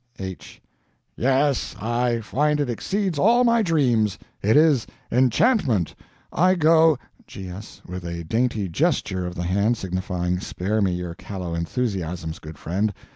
H. Yes, I find it exceeds all my dreams. It is enchantment. I go... G.S. (With a dainty gesture of the hand signifying "Spare me your callow enthusiasms, good friend.")